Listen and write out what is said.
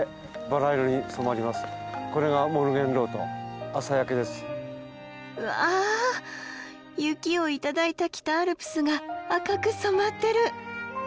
これがわあ雪を頂いた北アルプスが赤く染まってる。